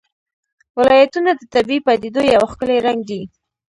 ولایتونه د طبیعي پدیدو یو ښکلی رنګ دی.